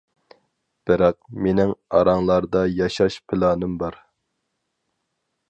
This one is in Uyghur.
بىراق، مېنىڭ ئاراڭلاردا ياشاش پىلانىم بار.